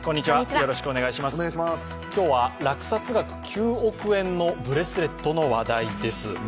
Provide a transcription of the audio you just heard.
今日は落札額９億円のブレスレットの話題です。